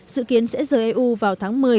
dự kiến sẽ rời eu vào tháng một mươi